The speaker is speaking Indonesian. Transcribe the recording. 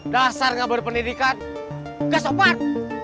dasar gak berpendidikan gak sopan